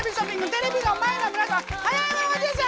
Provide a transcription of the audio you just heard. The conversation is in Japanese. テレビの前の皆さん早い者勝ちですよ！